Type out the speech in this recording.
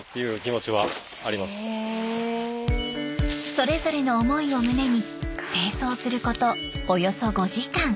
それぞれの思いを胸に清掃することおよそ５時間。